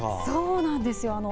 そうなんですよ。